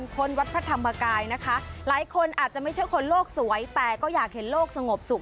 หลายคนอาจจะไม่ใช่คนโลกสวยแต่ก็อยากเห็นโลกสงบสุข